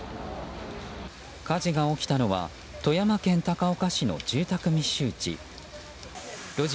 火事が起きたのは富山県高岡市の住宅密集地。